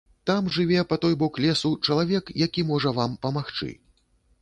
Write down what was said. Там жыве, па той бок лесу, чалавек, які можа вам памагчы.